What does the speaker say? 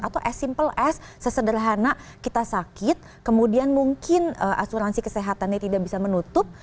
atau as simple as sesederhana kita sakit kemudian mungkin asuransi kesehatannya tidak bisa menutup